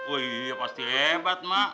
oh iya pasti hebat mak